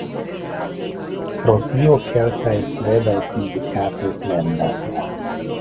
Pro tio, kelkaj svedaj sindikatoj plendas.